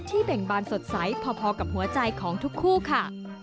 เบ่งบานสดใสพอกับหัวใจของทุกคู่ค่ะ